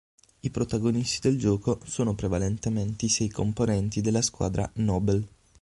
I protagonisti del gioco sono prevalentemente i sei componenti della squadra Noble.